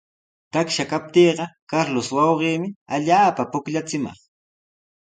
Taksha kaptiiqa Carlos wawqiimi allaapa pukllachimaq.